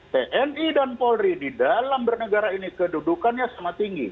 tni dan polri di dalam bernegara ini kedudukannya sama tinggi